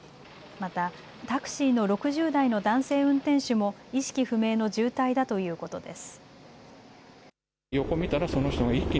またタクシーの６０代の男性運転手も意識不明の重体だということです。